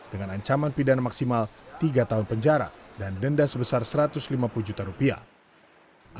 dengan ancaman pidana maksimal tiga tahun penjara dan denda sebesar satu ratus lima puluh juta rupiah